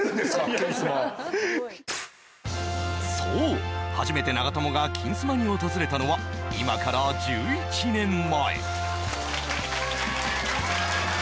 そう、初めて長友が「金スマ」に訪れたのは今から１１年前。